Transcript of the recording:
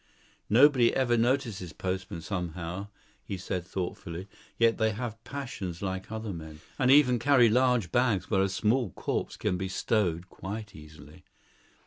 "Nobody ever notices postmen somehow," he said thoughtfully; "yet they have passions like other men, and even carry large bags where a small corpse can be stowed quite easily."